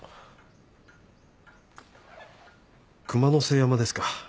熊之背山ですか。